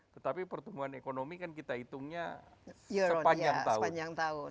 tetapi pertumbuhan ekonomi kan kita hitungnya sepanjang tahun